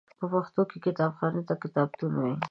په پښتو کې کتابخانې ته کتابتون ویل کیږی.